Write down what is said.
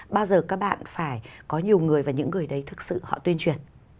bao giờ các bạn phải có nhiều người và những người đấy thực sự họ tuyên truyền